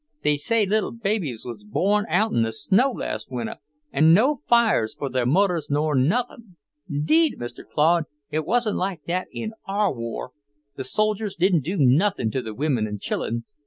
"They say little babies was born out in the snow last winter, an' no fires for their mudders nor nothin'. 'Deed, Mr. Claude, it wasn't like that in our war; the soldiers didn't do nothin' to the women an' chillun.